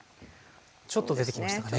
ちょっと出てきましたかね。